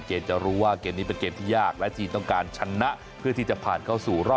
เขาก็มีสิทธิ์ที่จะเลือก